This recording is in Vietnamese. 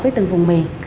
với từng vùng miền